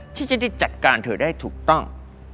ที่จะได้จัดการเธอได้ถูกต้อง